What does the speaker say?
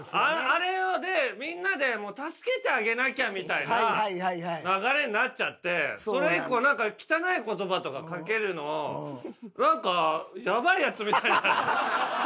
あれでみんなで助けてあげなきゃみたいな流れになっちゃってそれ以降汚い言葉とかかけるのなんかやばいやつみたいな。